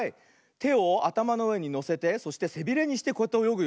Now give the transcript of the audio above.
てをあたまのうえにのせてそしてせびれにしてこうやっておよぐよ。